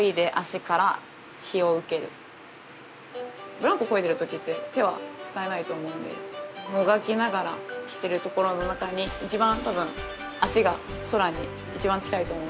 ブランコこいでる時って手は使えないと思うんでもがきながら来てるところの中に一番多分足が空に一番近いと思うんで。